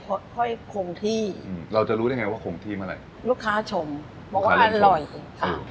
ค่อยค่อยคงที่อืมเราจะรู้ได้ไงว่าคงที่เมื่อไหร่ลูกค้าชมบอกว่าอร่อยค่ะ